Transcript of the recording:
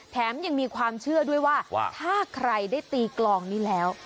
แถมยังมีความเชื่อด้วยว่าถ้าใครได้ตีกลองนี้แล้ว